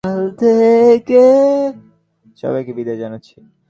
সবাইকে বিদায় জানাচ্ছে।